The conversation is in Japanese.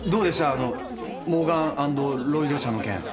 あのモーガン・アンド・ロイド社の件。